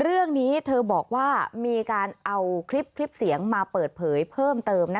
เรื่องนี้เธอบอกว่ามีการเอาคลิปเสียงมาเปิดเผยเพิ่มเติม